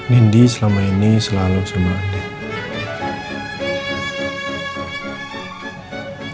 nindi selama ini selalu sama andien